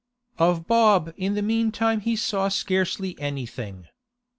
Of Bob in the meantime he saw scarcely anything.